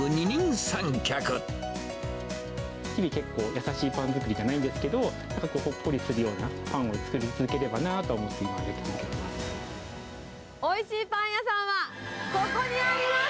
日々、優しいパン作りじゃないんですけど、結構ほっこりするようなパンを作り続ければなと思って、今、やり続けています。